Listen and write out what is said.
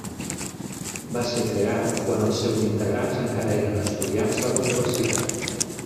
Va ser creat quan els seus integrants encara eren estudiants de la universitat.